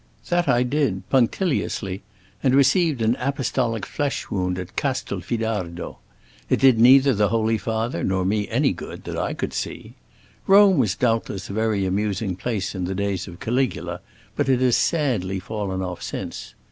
That I did, punctiliously, and received an apostolic flesh wound at Castlefidardo. It did neither the Holy Father nor me any good, that I could see. Rome was doubtless a very amusing place in the days of Caligula, but it has sadly fallen off since.